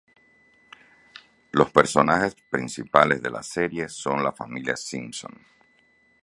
Los personajes principales de la serie son la familia Simpson.